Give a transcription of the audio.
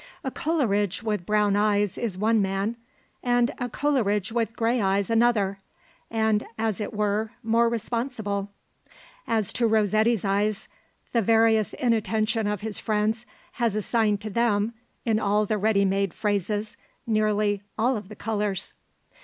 A Coleridge with brown eyes is one man, and a Coleridge with grey eyes another and, as it were, more responsible. As to Rossetti's eyes, the various inattention of his friends has assigned to them, in all the ready made phrases, nearly all the colours.